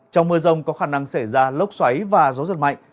trong mưa rông có khả năng xảy ra lốc xoáy và gió giật mạnh